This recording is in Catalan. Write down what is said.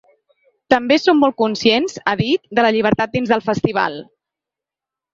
“També som molt conscients”, ha dit, “de la llibertat dins del festival.